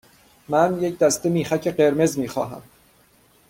من یک دسته میخک قرمز می خواهم.